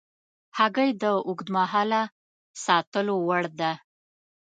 هګۍ د اوږد مهاله ساتلو وړ ده.